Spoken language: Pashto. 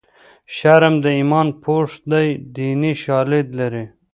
شرم د ایمان پوښ دی دیني شالید لري